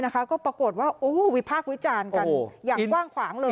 ก็ปรากฏว่าวิพากษ์วิจารณ์กันอย่างกว้างขวางเลย